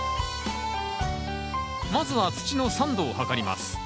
まずは土の酸度を測ります。